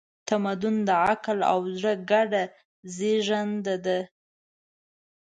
تمدن د عقل او زړه ګډه زېږنده ده.